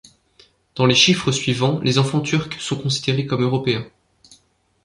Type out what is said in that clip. Dans les chiffres suivants, les enfants turcs sont considérés comme européens.